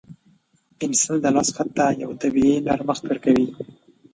پنسل د لاس خط ته یو طبیعي نرمښت ورکوي.